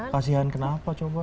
kasian kenapa coba